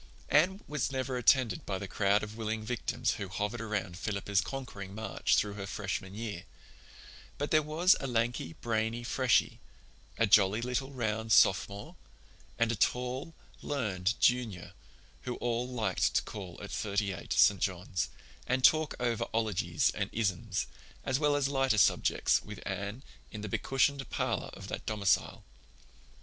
Anne was never attended by the crowd of willing victims who hovered around Philippa's conquering march through her Freshman year; but there was a lanky, brainy Freshie, a jolly, little, round Sophomore, and a tall, learned Junior who all liked to call at Thirty eight, St. John's, and talk over 'ologies and 'isms, as well as lighter subjects, with Anne, in the becushioned parlor of that domicile.